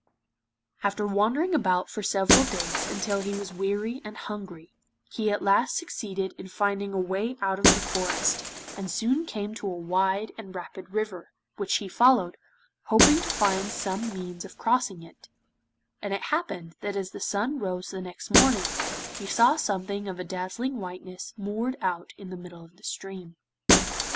After wandering about for several days until he was weary and hungry, he at last succeeded in finding a way out of the forest, and soon came to a wide and rapid river, which he followed, hoping to find some means of crossing it, and it happened that as the sun rose the next morning he saw something of a dazzling whiteness moored out in the middle of the stream.